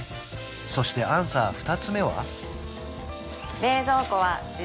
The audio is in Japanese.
そしてアンサー２つ目は？